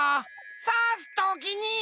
さすときに。